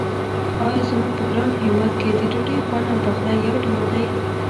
آیا زموږ په ګران هېواد کې د ډوډۍ خوند او پخلی یو ډول دی.